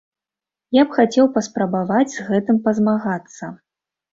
Я б хацеў паспрабаваць з гэтым пазмагацца.